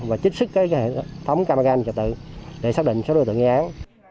và chích sức cái hệ thống camera gây tự để xác định số đối tượng gây án